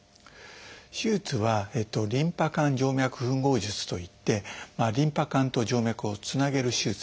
手術は「リンパ管静脈ふん合術」といってリンパ管と静脈をつなげる手術です。